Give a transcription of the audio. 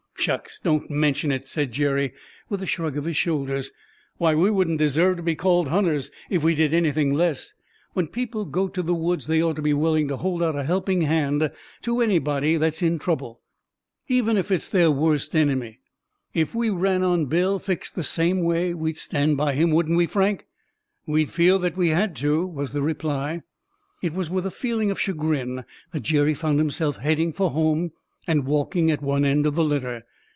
"Shucks, don't mention it!" said Jerry, with a shrug of his shoulders. "Why, we wouldn't deserve to be called hunters if we did anything less. When people go to the woods they ought to be willing to hold out a helping hand to anybody that's in trouble, even if it's their worst enemy. If we ran on Bill, fixed the same way, we'd stand by him; wouldn't we, Frank?" "We'd feel that we had to," was the reply. It was with a feeling of chagrin that Jerry found himself heading for home and walking at one end of the litter.